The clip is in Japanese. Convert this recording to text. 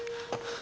あ！